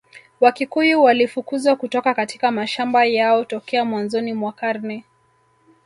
Wakikuyu walifukuzwa kutoka katika mashamba yao tokea mwanzoni mwa karne